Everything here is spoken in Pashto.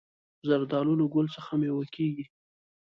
زردالو له ګل څخه مېوه کېږي.